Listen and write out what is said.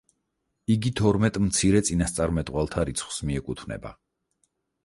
იგი თორმეტ მცირე წინასწარმეტყველთა რიცხვს მიეკუთვნება.